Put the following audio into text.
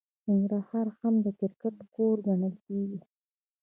ننګرهار هم د کرکټ کور ګڼل کیږي.